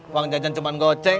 uang jajan cuman goceng